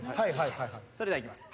それではいきます。